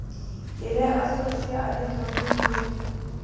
Il est associé à l’hydronyme Louts.